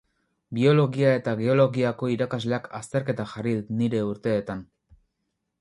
Biologia eta geologiako irakasleak azterketa jarri dit nire urteetan